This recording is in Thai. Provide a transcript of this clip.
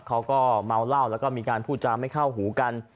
เขาก็เมาเหล้าแล้วก็มีการพูดจาไม่เข้าหูกัน